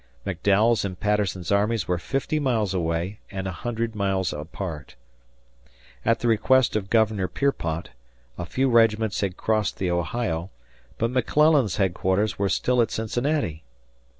McDowell's and Patterson's armies were fifty miles away and a hundred miles apart. At the request of Governor Pierpont a few regiments had crossed the Ohio, but McClellan's headquarters were still at Cincinnati.